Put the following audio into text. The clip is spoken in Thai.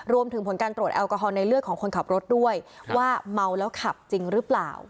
รวมถึงผลการตรวจแอลกอฮอลในเลือดของคนขับรถด้วยว่าเมาแล้วขับจริงหรือเปล่า